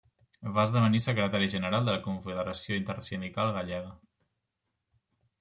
Va esdevenir secretari general de la Confederació Intersindical Gallega.